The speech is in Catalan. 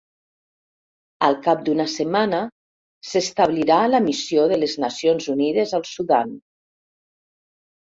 Al cap d'una setmana, s'establirà la Missió de les Nacions Unides al Sudan.